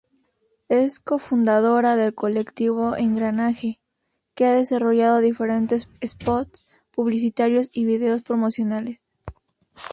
Es cofundadora del Colectivo Engranaje, que ha desarrollado diferentes spots publicitarios y videos promocionales.